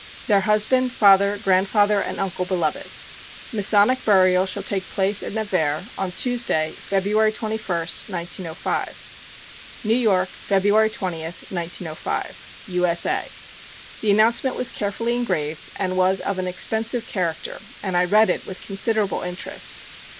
Their husband, father, grandfather and uncle beloved. Masonic burial shall take place at Nevers on Tuesday, February 21, 1905. New York, February 20, 1905. U. S. A. The announcement was carefully engraved and was of an expensive character, and I read it with considerable interest.